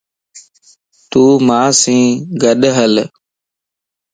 تون مان سين گڏھل